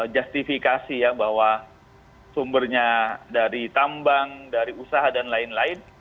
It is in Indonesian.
justifikasi ya bahwa sumbernya dari tambang dari usaha dan lain lain